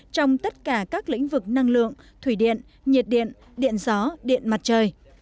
trong tất cả các lĩnh vực năng lượng thủy điện nhiệt điện điện gió điện mặt trời